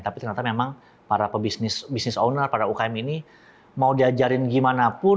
tapi ternyata memang para pebisnis bisnis owner pada ukm ini mau diajarin bagaimanapun